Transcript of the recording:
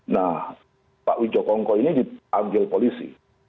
nah pak widjo kongko ini dianggil polisi